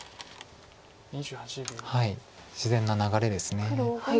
自然な流れです。